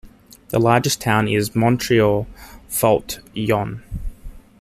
The largest town is Montereau-Fault-Yonne.